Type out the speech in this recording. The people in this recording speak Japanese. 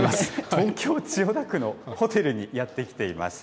東京・千代田区のホテルにやって来ています。